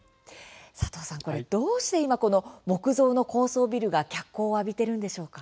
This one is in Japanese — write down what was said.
佐藤さん、これどうして今木造の高層ビルが脚光を浴びているんでしょうか。